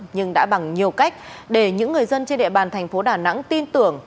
nhưng đã bằng nhiều cách để những người dân trên địa bàn thành phố đà nẵng tin tưởng